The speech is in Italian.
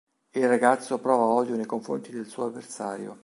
Il ragazzo prova odio nei confronti del suo avversario.